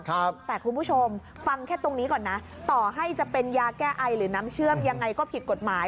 แต่คุณผู้ชมฟังแค่ตรงนี้ก่อนนะต่อให้จะเป็นยาแก้ไอหรือน้ำเชื่อมยังไงก็ผิดกฎหมาย